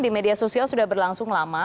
di media sosial sudah berlangsung lama